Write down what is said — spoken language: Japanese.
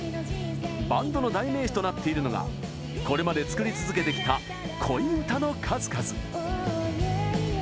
バンドの代名詞となっているのがこれまで作り続けてきた恋うたの数々。